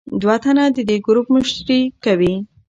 دوه تنه د دې ګروپ مشري کوي.